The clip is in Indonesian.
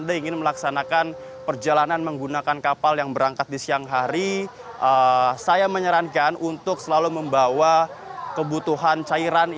dan sejauh ini sepenglihatan saya memang masih banyak terus berdatangan